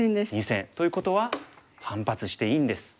２線。ということは反発していいんです。